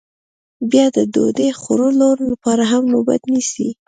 بیا د ډوډۍ خوړلو لپاره هم نوبت نیسي